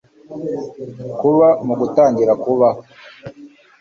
kuba, mu gutangira kubaho